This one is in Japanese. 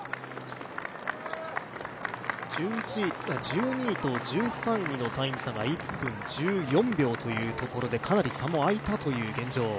１２位と１３位のタイム差が１分１４秒というところでかなり差も開いたという現状。